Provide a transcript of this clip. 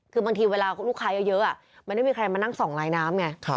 คือบางทีเวลาลูกค้าเยอะมันไม่มีใครมานั่งส่องลายน้ำไง